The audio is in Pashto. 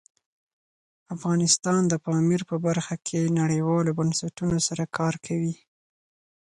افغانستان د پامیر په برخه کې نړیوالو بنسټونو سره کار کوي.